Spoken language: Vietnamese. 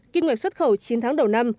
kinh nguyện xuất khẩu chín tháng đầu năm